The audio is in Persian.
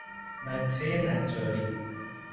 مته نجاری